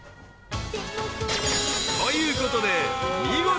［ということで見事］